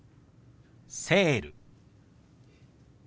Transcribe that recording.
「セール」。